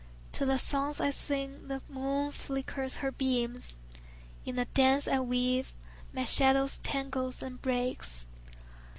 To the songs I sing the moon flickers her beams; In the dance I weave my shadow tangles and breaks.